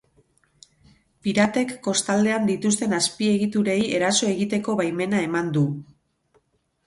Piratek kostaldean dituzten azpiegiturei eraso egiteko baimena eman du.